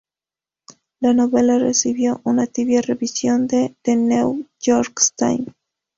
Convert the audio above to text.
La novela recibió una tibia revisión de "The New York Times".